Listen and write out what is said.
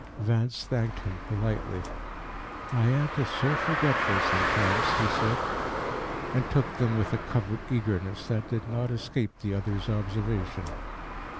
Vance thanked him politely. "My aunt is so forgetful sometimes," he said, and took them with a covert eagerness that did not escape the other's observation.